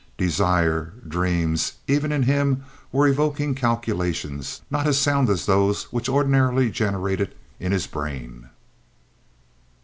Desire, dreams, even in him were evoking calculations not as sound as those which ordinarily generated in his brain.